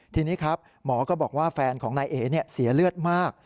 ทีนี้ครับหมอก็บอกว่าแฟนของนายเอ๋เสียเลือดมาก